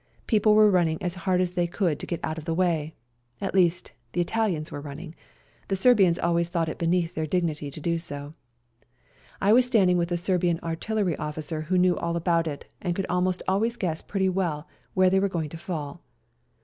People were running as hard as they could to get out of the way — at least, the Italians were running, 188 SERBIAN CHRISTMAS DAY the Serbians always thought it beneath their dignity to do so. I was standing with a Serbian artillery officer who knew all about it and could almost always guess pretty well where they were going to fall.